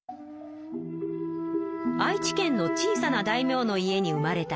愛知県の小さな大名の家に生まれた家康。